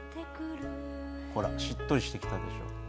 しっとりしてきたでしょ？